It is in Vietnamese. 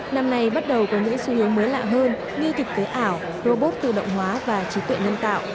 năm nay bắt đầu có những xu hướng mới lạ hơn như thực tế ảo robot tự động hóa và trí tuệ nhân tạo